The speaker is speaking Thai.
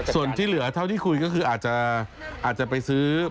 ส่วนที่เหลือเท่าที่คุยก็คืออาจจะไปซื้อ